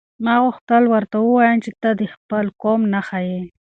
ما غوښتل ورته ووایم چې ته د خپل قوم نښه یې.